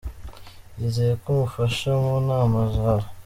Yizeye ko umufasha mu nama zawe.